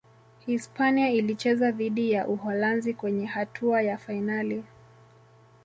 hispania ilicheza dhidi ya Uholanzi kwenye hatua ya fainali